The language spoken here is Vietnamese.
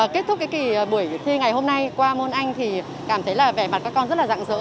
kết thúc cái buổi thi ngày hôm nay qua môn anh thì cảm thấy là vẻ mặt các con rất là rạng rỡ